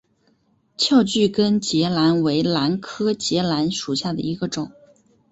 翘距根节兰为兰科节兰属下的一个种。